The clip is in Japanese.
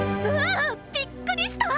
びっくりした！